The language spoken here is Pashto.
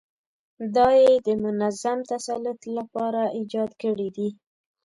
دا یې د منظم تسلط لپاره ایجاد کړي دي.